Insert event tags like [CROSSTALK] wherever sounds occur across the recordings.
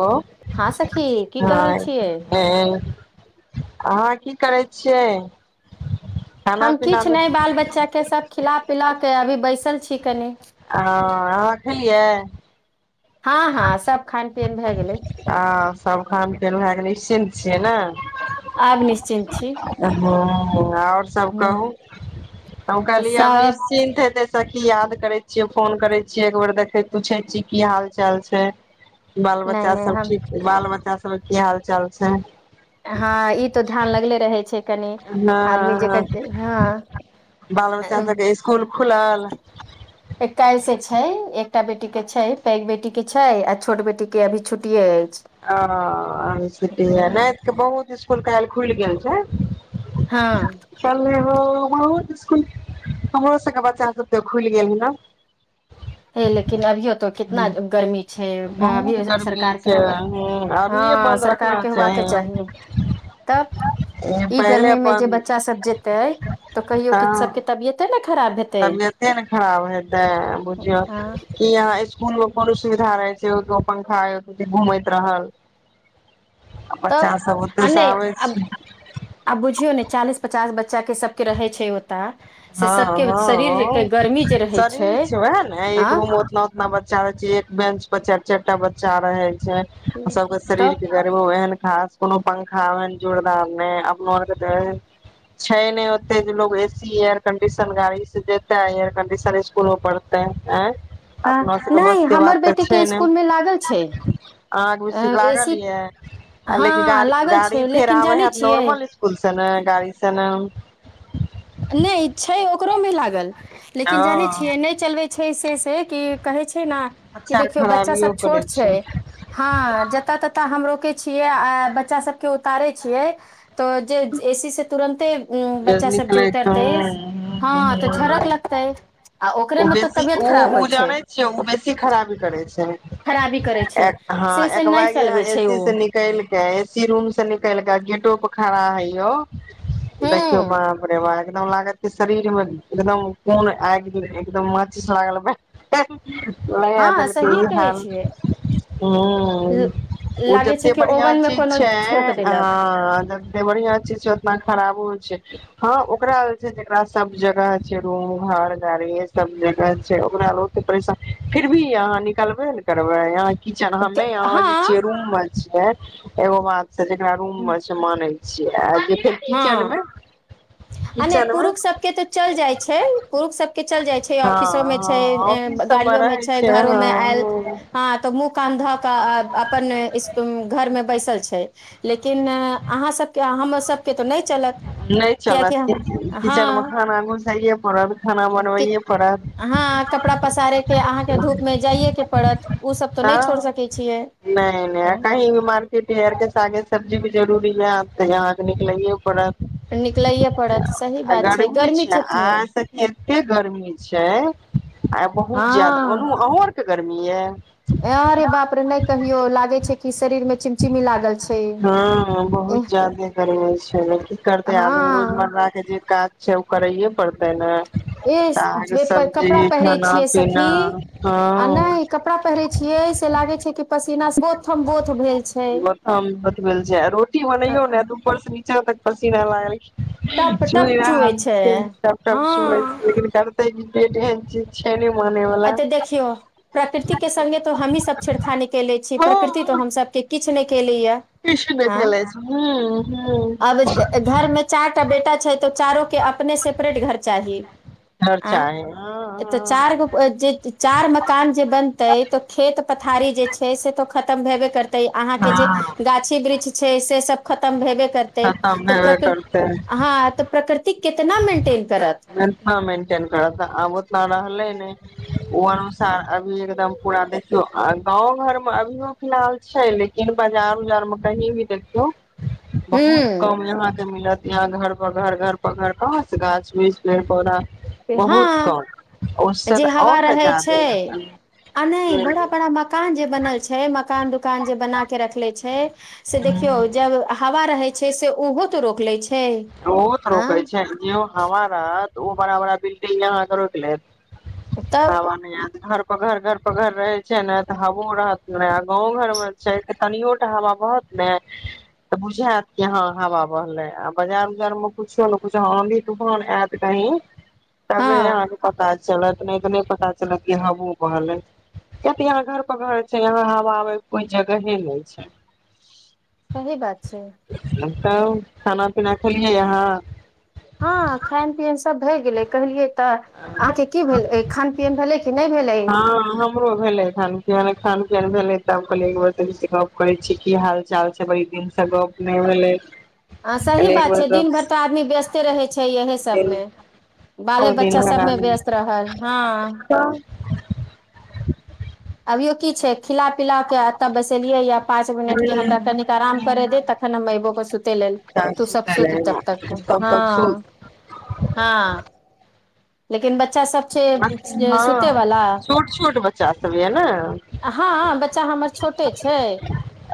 Hello हँ सखी की क रहल हँ छियै? अहाँ की करै छियै? खाना हम पीना किछु हँ नहि बाल बच्चा के सब खिला पिला के अभी बैसल छी। कनी। हँ अहाँ खेलियै? हँ हँ सब खान पियन भए गेलै। हँ सब खान पीयन भए गेलै। निश्चिन्त छियै ने? आब निश्चिन्त छी ह आओर सब ह कहू? हम कहलियै सब निश्चिन्त हेतै सखी याद करे छीये। फोन करे छीये। एकबेर देखे पूछे छीये की हाल? चाल छै? बाल नहि बच्चा नहि सब हम ठीक छै? बाल बच्चा सब ओकर की हाल चाल छै? हँ ई तऽ ध्यान लगले रहै छै कनि आदमी हँ जेकर हँ। बाल बच्चा सबके स्कुल खुलल एकैस छै एकटा बेटी के छै पैघ बेटी के छै आ छोट बेटी के अभी छुटिये एय। आ आओरो छुट्टी में नैत के बहुत इस कूल काइल खुल गेल छै। हँ हं बहुत स्कूल हमरो सबके बच्चा सब के खुलि गेल है ने। हे लेकिन अभियो त कितना गर्मी छै? बहुत अभीयो गर्मी सरकार के छै होबे अभिये हँ बन्द सरकार रखना के होबाके चाही तब ई पहिले गर्मी मे जे बन्द बच्चा सब जेतै तऽ कहियौ कि हँ सबके तबियते ने खराब हेतै तबियते ने खराब हेतै। बुझियो हँ कि आहाँ स्कू कूलो पर उ सुविधा रहै छै ओत पंखा घुमैत रहल। बच्चा तब सब ओते आ से नहि आबै छै आब बुझियौ ने चालीस पचास बच्च बच्चा के सबके रहै छै ओ। हँ हँ गर्मी जे रहै शरीर छै वएह ने आ एक रूम उतना उतना बच्चा रहै छै एक बेंच। बच्चा चारिटा बच्चा रहै। छै सबके तब शरीरके गरमी में ओहेन खास कोनो पंखा ओहेन जोरदार नै अपन आर के छै ने ओते जे लोग एसी आर एयर कंडीशन गाड़ी से जेतेै एयर कंडीशन इसकुल में पढ़तेै हं। तऽ अपना सभके नहि बस के बात हमर तऽ बेटी छै के ने स्कूल मे लागल छै आहाँके एसी ए लागल सी या आ हँ लेकिन गाड़ लागल गाड़ी छै फेर लेकिन आबै जानै हेत छियै नॉर्मल इसकुलसँ ने गाड़ीसँ ने। नहि छै ओकरो मे लागल। लेकिन जानै हँ छियै नहि चलबै। छैे से से कि कहै छै न बच्चा देखियौ बच्चा खराबियो सब करै छोट छै हँ जतऽ ततऽ छियै आ बच्चा सबके उतारे छियै तऽ जे एसी से तुरन्ते। उ बच्चा सब जे। निकलै त हँ तऽ झरक छै लगतै। आ ओ ओकरेमे तऽ बेसी तबियत ओ खराब ओ होइ छै जानै छियै ओ बेसी खराबी करै छै। खराबी करै ह छै एखनि से से नहि एकबाइग यहाँ चलबै छै ओ एसी से निकल के एसी रूम से निकल क गेटो पर खड़ा होयवो। देखियौ हूँ बाप रे बाप एकदम लागत शरीर मे एकदम कोन आगि लागि एकदम माछी सब आ गेलै। नया हँ देलकै सहिए ई कहै हाल छियै ह ल- ओ लागै छै जते कि बढ़िया ओवन मे चीज कोनो छै झोक आ। देलक जते बढ़िया चीज छै। ओतना खराबो छै। हँ ओकरा छै जेकरा सब जगह छै रूम घर गाड़ी अछि। सब जगह छै ओकरा लग ओते पैसा फिर भी आहाँ निकलबे ने करबै आहां। किचन हं में आहाँ जे छै हँ रूम में। छै एगो बात से जेकरा रूम में छै मानै छी आय हँ आ नहि किचन मे पुरुष सबके तऽ चलि जाइ छै पुरुष सबके। चल जाय छै हँ ऑफिसो में छै हँ ऑफिस सबमे गाड़ियो में रहै छै घरो में हँ आयल हँ हं तो मुंह कान ध के अपन घर में बैसल छै। लेकिन आहाँ सबके हमसब के तऽ नहि चलत नहि कियाकि चलत किचन मे हँ खाना घुसैये पड़त खाना बनबैये पड़त ह कपड़ा पसारे के अहाँके धूप मे जाइए के पड़त ओ सब तऽ ह नहि छोड़ सकै छियै नहि नहि कही भी मार्केट हरके सागे सब्जी जरूरी लत तऽ यहाँके निकलैे पड़त निकलैए पड़त सही बात छै गर्मी छै त के गरमी छै आ बहुत जादा ओनर बड्ड गर्मी या। एय रे बाप रे नहि कहियो लागै छै कि शरीरमे चिमचिमी लागल छै ए हँ बहुत ज्यादे गर्मी छै ने की हँ। से ओ करैयए पड़तै ने साग ए कपड़ा सब्जी पहिरे खाना छियै पीना सखी आ हँ नहि कपड़ा प छियै लागै छै कि पसीना बो बो भेल छै हम बतबल चल तक पसीना लागलै टप चु टप चुए छै प सु हँ लेकिन कार त बे छै माने अऽ वाला जे देखियौ प्राकृतिक के संगे तऽ हमही सब छेड़खानी केले छियेई, प्रकृति तो हँ हम सबके किछ नै किये किछु नहि आं खेलै छै हूं हूं आब ईस् घरमे चारिटा बेटा छै तऽ चारो के अपने सेपरेट घर चाही हर आं चाहे ए तऽ हँ चार गो ओ जे चार मकान जे बनतई तऽ खेत पथारी जे छै से तो खतम भेबे करत तईअहाँके हँ जे हँ गाछी वृक्ष छै से सब खतम भेबे तई खतम त हेबे प्रकिर करतै हां त प्रकृति ते केतना मिनट केत्ना मेन्टेन करत आब उतना रहलै नै ओ अनुसार अभी एकदम पूरा देखियौ आ गाँव घरमे अभियो फिलहाल छै लेकिन बजार उजार मे कहीं भी देखियौ बहुत हूँ कम यहाँके मिलत यहाँ घर प घर, घर प घर कहाँ से गाछ वृछ नै पौधा बहुत हां, कम ओससँ जे हवा आओर ने रहै छै जादे आ नई बड़ा बड़ा मकान जे बनल छै मकान दुकान जे बना के रखले छै। से देखियौ, जे हवा रहै। छै, से उहो त रोक लै छै। बहुत आँ रोकई छै, जे हवा रहत। उ बड़ा-बड़ा बिल्डिंग यहाँ के रोक लेत। तब हवा नइ ऐत इधर पघर घर पघर रहे छै ने तऽ हवो रहत ने आ गाँंव घर मे छै त कनियो टा हवा बहत ने तऽ बुझैत कि हां हवा बहले आब बजार उजारमे कुछो न कुछ हँ आँधि तूफान ऐत कहिं तबे हँ यहाँके पता चलत नहि तऽ नहि पता चलत कि हवो बहलै, किया तऽ यहाँ घर प घर छै, यहाँ हवा आबैके कोई जगहे नै छै। सही बात छै। तऽब खाना। खाना खेलियई अहाँ। हँ, खायन-पियन सब भए गेलै कहलियै। तऽ अहाँके की भेल अइ, खान-पियन भेलइ कि नै भेलई। हँऽ। हमरो भेलै खान-पियन, खान-पियन भेलै तब कहलियै एक बेर त गप करै छीयै की हाल- चाल छै, बड़ी दिनसँ गप नहि भेलै। हँ सही कहलियै एक बात बेर छै, दिन गप भरि तऽ आदमी व्यस्ते रहै छै यएही सभमे बाले- बहुत दिन बच्चा भऽ सभमे व्यस्त रहल हँ। गेल अभियो की छै। खिला- पिला कऽ एतय बैसेलियै या पाँच मिनटके हमरा कनिक आराम करय दे, तखन हम अबोकेऽ सुते लेल तब तू सब सुतल सुत तब तक रहियै, हँ, तब तक सुत हँ। लेकिन बच्चा सब। छै सुतै वाला, हँ छोट छोट बच्चा सब ये ने हाँ बच्चा हमर छोट। तै छै।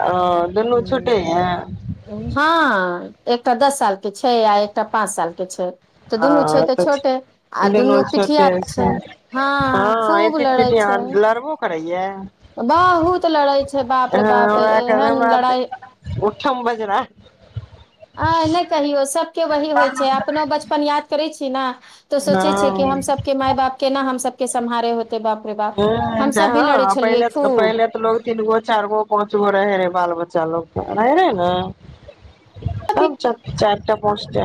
आ दुनू छोटे ये। हाँ, एकटा दस साल के छै, आ एकटा पाँच साल के छै। तऽ ह दुनू छै तऽ छोटे दुनू छोटे छै, हँ एक-एक पीठीया लड़बो। कर हए। बाहूत लड़ाई छै। बाप रे अहँ बाप हमरा क एहन हमरा लड़ाइ त्। सम्। आ नहि कहियौ, सबके वही होइ हँ छै, अपनों बचपन याद करै छी ने। तऽ सोचै छियै कि, हँ हम सभके माय- बाप के ना हमसब। सम्हारे होते। बाप रे बाप ह हमसभ भी लड़ै ह छलियै पहिे खूब पहले तऽ लोग तीन गो चार गो पहुच जो रह रहे बाल बच्चा लोकोग त रह रहे ने अभी तब चार ट पोसट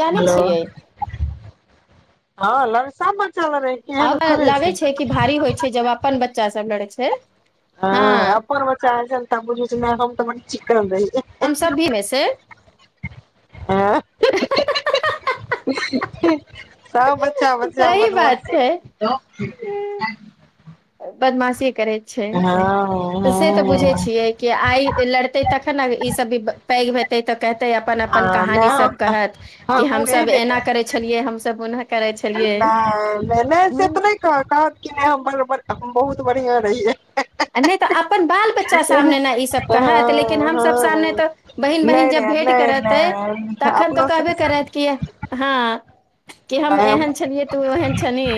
जानी छियै हँ ल सब। बच्चा लड़ै केहन आब थोड़े लागे छै कि भाड़ी होइ छै, जब अपन बच्चा सब लड़ै छै। ह। हँ अ्पन मचा त त चिकेन रहै छै हम सभ भी मे से हँ सब ब चावल सही चावत बात छै बस बदमाासीे करै छै त से तऽ बुझै हँ छियै कि आइ लड़ते तखन ने ई सब भी पैघ भेतै तऽ हेतै अपन अपन कहानी सब नहि कहत की हम हमहूँ सब एहने इना करै छेलीयाई हम सब ओना के नहि नहि नहि से तऽ नहि कह कहत कि नहि हम बरर बहुत बढ़िया रहियै आ नहि तऽ अपन बाल बच्चा हँ सामने ने ईसभ कहत लेकिन हमसभ सामने हँ तऽ बहिन बहिन नहि नहि जब भेँट नहि करतै नहि तखन तऽ अपनो कहबे करत कि हँ कि हम एहन छलियै तऽ ओ ओहन छनि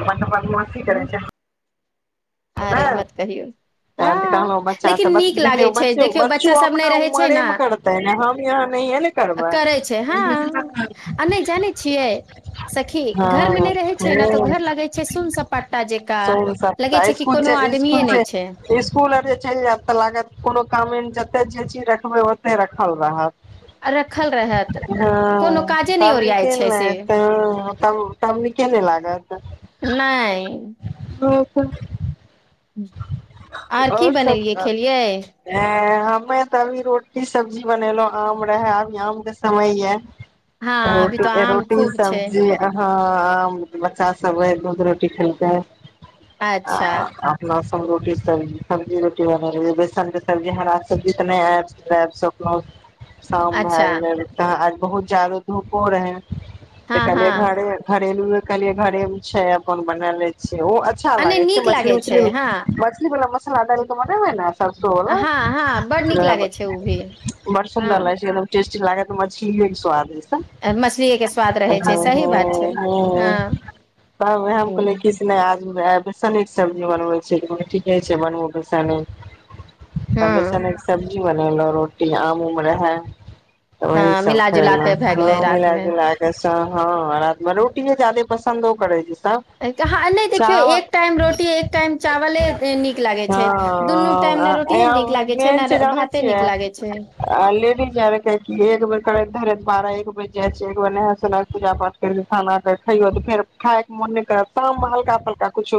अपन म्ती करै छै अरे मत कहियौ, तैं तऽ हँ कहलहुँ बच्चा लेकिन सब बच, नीक लागै देखियौ छै बच्चो देखियौ बच्चो बच्चा सब नहि अपना रहै छै उमरे ने, मे करतै ने हम यहाँ नहिये ने करबै करै छै हँ आ नहि जानै छियै, सखी घरमे हँ नहि रहै छै ने तऽ हँ घर लगै छै सन सपाटा जका लगै छै कि इकुल कोनो आदमीए इसकुल नहि छै इसकु इकूल आर जे चलि जायत ते लागत कोनो का जते जे चीज रखबे ओते रखल रहत आ रखल रहत ह कोनो काजे नहि ओरियाइ तिके छै से ने तब निके नहि लागत नहि ह आर की बनेलियै सब खेलियै हमे तऽ अभी रोटी सब्जी बनेलहुं आम रहे अभ आम के समय ये हँ अभी तऽ रोटी आम रोटी खूब छै सब्जी हाँ ह बच्चा सब दूध रोटी खेलकै। अच्छा रोटी् सब्जी रोटी बने रहै बेसन के सब्जी हरा सब्जी तऽ शाम भ अच्छा गेल लत बहुत जाददा धूप हो रहेै तऽ हँ हँ कलिय घे घरेलुए कहलियए घरे छै, अपन बना ले छी ओ अच्छा आ नहि लागे छै नीक मछली लागै छै उछली हँ मछली बला म लद क मत होइ सरसों हँ वाला हँ बड नीक उहे लागै छै ओ भी बड़ सुन्दर हँ लागै छै। लागे तऽ मछली एक स्वादिष्ट मछलीए के स्वाद रहै छै सही बात छै हँ हम कहैल कीस नहि आ बेस निक सब्जी बनबै से ठीके छै ब मट स पन्द हँ ने ी बनेलो रोटी आम उम रह है तऽ वही हँ सब मिला जुला खल के भए गेलै हँ मिल रात मे जुला कऽ हँ र रोटीए जादे पसन्द ओ करै छै सब ाँ नहि देखियौ एक टाइम रोटी एक टाइम चावले नीक लागै छै दुनू टाइम ने रोटिये नीक ह लागे छै मेन ने जानै भाते नीक लागे छै छियै लेडीज एक बेर बारह एक बजर जाइ छ छै एक नहा सोना के पूजा पाठ कर खाना खइयो तऽ फेर खाय के मोन करत शाम मे हल्का फल्का कछ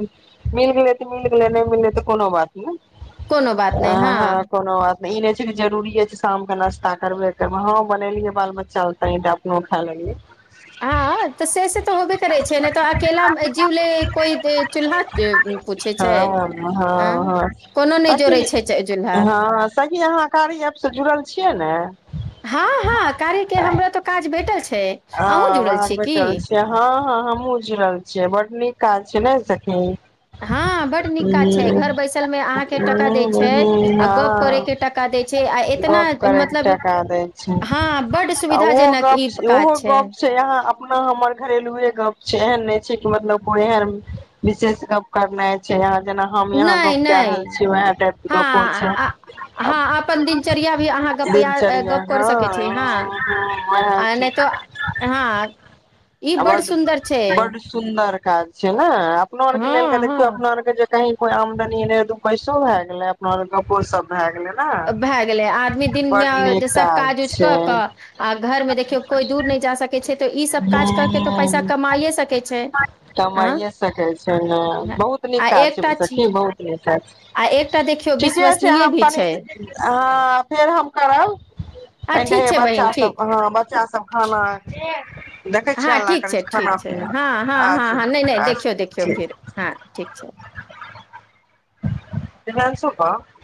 मिल गेलै मिल गेलै नहि मिललै तऽ कोनो बात नहि कोनो बात आ नहि हँ कोनो बात ई नहि छै कि जरूरीे छै शामके नाश्ता करबे करबै हँ बनेलियै बाल बच्चा ल तनि तऽ अपनो खा लेलियै हँ तऽ से से तऽ होबे करै छै नहि तऽ अकेला जीव ले कोई चूल्हाू हँ हँ कोनो नहि जोड़ै हँी छै चूल्हा हँ सही अहाँ कारी एप से जुड़ल छियै ने हँ हँ कार्यके हमरा तऽ काज भेटल छै, हँ अहूँ जुड़ल अहाँके छी की। भेटल छियै हँ हँ हमहुँ जुड़ल काज छै नहि सखी हँ बड नीक ह काज छै घर बैसल मे अहाँके टका दै छै आ गप ह करे के टका दै छै आ एतना गप करे के मतलब टका दै छै, हँ बड ओहो ग सुविधाजनक ई ओहो काज गप छै यहाँ अपना हमर घरेलुए गप छै एहन नहि छै मतलब ब विशेष करना छै जेना हम यहाँ नहि गप कए नहि रहल छी उएह टाइप के गप होइ हँ छै हँ अपन दिनचर्या भी अहाँ ग दिनचर्या गप कर हँ सकै छी, हँ वएह आ छै नहि तऽ हँ ई बड सुन्दर छै। बड सुन्दर काज छै ह अपना हँ देख हँ अप कही कोई आमदनी ने दू पैसों भए गेलेै, अपना ओर गपो सब भए गेले। भए गेलै आदमी दिनमें जे नीक सभ काज उज छै कऽ कऽ आ घर में देखियौ कोइ दूर नहि जा सकै छै, तऽ ईसभ काज कऽ कऽ तऽ पैसा हूँ कमाइए सकै छै कमाइए सकै छै ने आँ। बहुत नीक आ काज छै, एकटा सखी बहुत नीक। आ एकटा देखियौ ठीके छै विश्वसनीय हम भी तनि, छै हँ फेर हम करब, आ ठीक तनि छै बहिन बच्चा ठीक सब हँ बच्चा सब खाना। देखै छियै हँ हल्ला ठीक करै छै खाना ठीक छै पीना हँ हँ हँ हँ नहि नहि अच्छा देखियौ देखियौ अच्छा फेर हँ, ठीक छै। [UNINTELLIGIBLE]